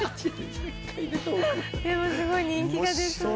でもすごい人気が出そう。